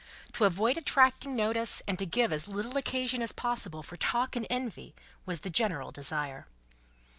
To avoid attracting notice, and to give as little occasion as possible for talk and envy, was the general desire.